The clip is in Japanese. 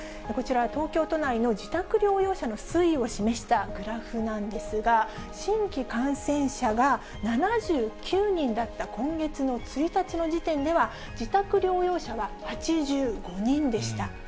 こちらは東京都内の自宅療養者の推移を示したグラフなんですが、新規感染者が７９人だった今月の１日の時点では、自宅療養者は８５人でした。